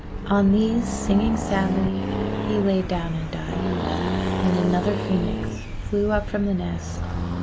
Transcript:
On these, singing sadly, he lay down and died; and another Phoenix flew up from the nest.